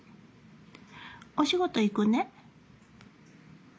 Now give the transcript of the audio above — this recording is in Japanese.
お仕事行くね。